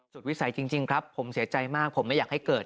วิสัยจริงครับผมเสียใจมากผมไม่อยากให้เกิด